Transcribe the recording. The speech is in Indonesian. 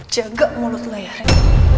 jaga mulut lo ya rick